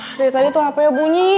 dari tadi tuh hp nya bunyi